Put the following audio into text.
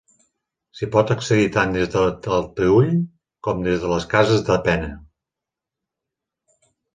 S'hi pot accedir tant des de Talteüll com des de les Cases de Pena.